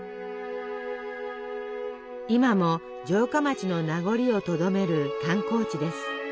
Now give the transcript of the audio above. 今も城下町の名残をとどめる観光地です。